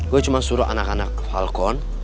gue cuma suruh anak anak alkon